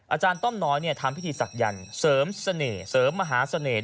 อาจารย์ต้อมน้อยเนี่ยทำพิธีศักยรภ์เสริมเสน่ห์เสริมมหาเสน่ห์